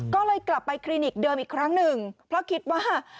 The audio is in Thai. ก็เลยกลับไปคลินิกเดิมอีกครั้งหนึ่งเพราะคิดว่า